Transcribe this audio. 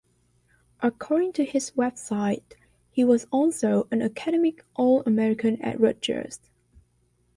According to his website, he was also an academic All-American at Rutgers.